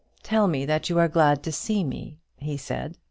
"Tell me that you are glad to see me," he said.